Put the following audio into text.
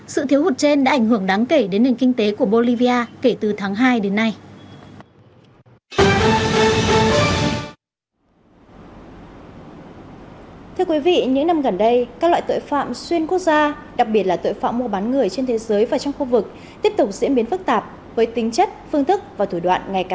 sự thiếu hụt trên đã ảnh hưởng đáng kể đến nền kinh tế của bolivia kể từ tháng hai đến nay